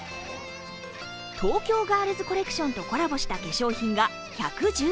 東京ガールズコレクションとコラボした化粧品が１１０円。